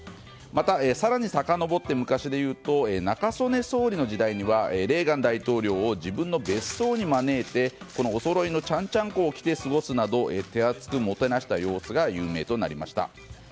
また更にさかのぼって昔で言うと中曽根総理の時代にはレーガン大統領を自分の別荘に招いておそろいのちゃんちゃんこを着て過ごすなど手厚くもてなした様子が有名となりました。